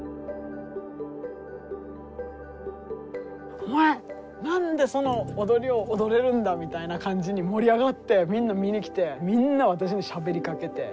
「お前何でその踊りを踊れるんだ？」みたいな感じに盛り上がってみんな見に来てみんな私にしゃべりかけて。